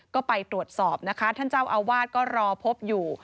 ก็ไปตรวจสอบนะคะท่านเจ้าอาวาสก็รอพบอยู่